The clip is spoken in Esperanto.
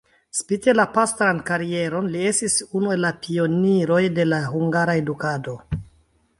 Spite la pastran karieron li estis unu el la pioniroj de la hungara edukado.